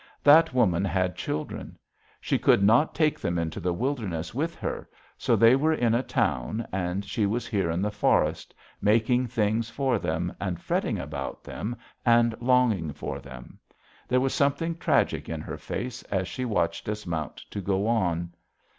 That woman had children. She could not take them into the wilderness with her, so they were in a town, and she was here in the forest, making things for them and fretting about them and longing for them. There was something tragic in her face as she watched us mount to go on.